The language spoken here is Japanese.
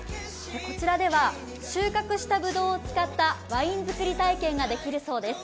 こちらでは収穫したぶどうを使ったワイン造り体験ができるそうです。